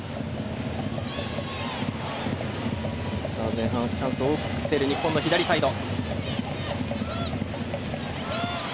前半、チャンスを多く作っている日本の左サイド。